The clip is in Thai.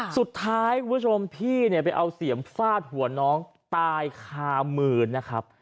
สุดท้ายคุณผู้ชมพี่ไปเอาเสี่ยงฟาดหัวน้องตายคามือนนะครับ